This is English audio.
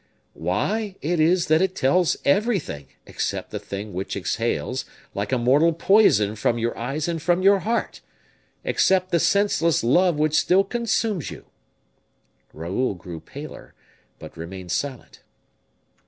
"Why, it is that it tells everything, except the thing which exhales, like a mortal poison from your eyes and from your heart; except the senseless love which still consumes you." Raoul grew paler, but remained silent.